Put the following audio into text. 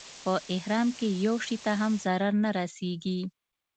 په احرام کې یو شي ته هم ضرر نه رسېږي.